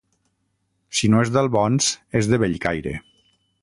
Si no és d'Albons, és de Bellcaire.